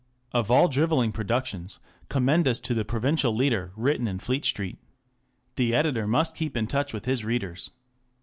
Of all drivelling productions, commend us to the provincial " leader" written in Fleet Street. The editor must keep touch with his readers.